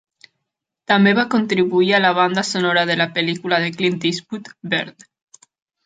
També va contribuir a la banda sonora de la pel·lícula de Clint Eastwood "Bird".